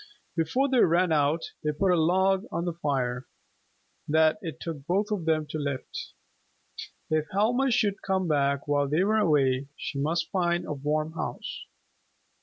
Before they ran out, they put a log on the fire that it took both of them to lift. If Helma should come back while they were away, she must find a warm house.